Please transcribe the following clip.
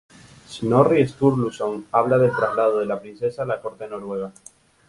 Snorri Sturluson habla del traslado de la princesa a la corte noruega.